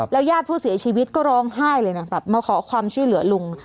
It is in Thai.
ญาติผู้เสียชีวิตก็ร้องไห้เลยนะแบบมาขอความช่วยเหลือลุง